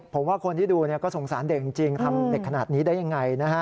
ผมว่าคนที่ดูก็สงสารเด็กจริงทำเด็กขนาดนี้ได้ยังไงนะฮะ